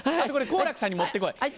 これ好楽さんにもってこい。